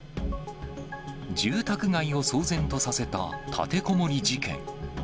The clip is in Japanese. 住宅街を騒然とさせた立てこもり事件。